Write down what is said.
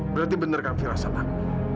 berarti bener kan firasat aku